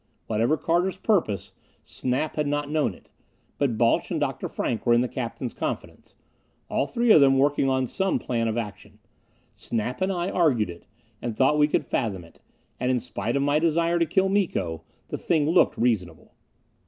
Whatever Carter's purpose, Snap had not known it. But Balch and Dr. Frank were in the captain's confidence all three of them working on some plan of action. Snap and I argued it, and thought we could fathom it; and in spite of my desire to kill Miko, the thing looked reasonable.